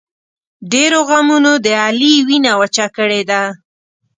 ډېرو غمونو د علي وینه وچه کړې ده.